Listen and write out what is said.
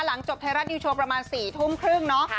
หลังจบไทยรัฐนิวโชว์ประมาณ๔ทุ่มครึ่งเนาะ